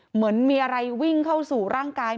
เหมือนมีอะไรวิ่งเข้าสู่ร่างกาย